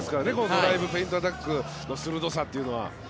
ドライブ、フェイントアタックの鋭さというのは。